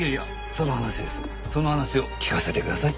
その話を聞かせてください。